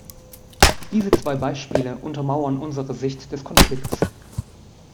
Diese zwei Beispiele untermauern unsere Sicht des Konflikts.